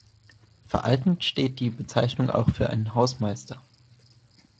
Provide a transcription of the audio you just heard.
Veraltend steht die Bezeichnung auch für einen Hausmeister.